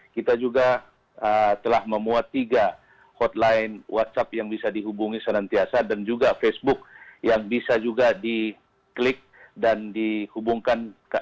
kita juga telah memuat tiga hotline whatsapp yang bisa dihubungi senantiasa dan juga facebook yang bisa juga di klik dan dihubungkan